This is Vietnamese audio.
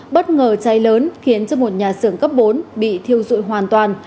bất ngờ chai lớn khiến một nhà xưởng cấp bốn bị thiêu dụi hoàn toàn